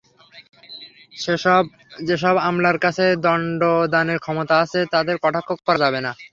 যেসব আমলার কাছে দণ্ডদানের ক্ষমতা আছে, তাঁদের কটাক্ষ করা যাবে না।